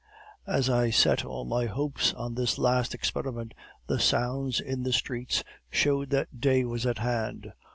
"As I set all my hopes on this last experiment, the sounds in the streets showed that day was at hand.